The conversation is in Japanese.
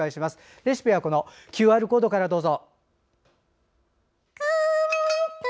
レシピはＱＲコードからどうぞ。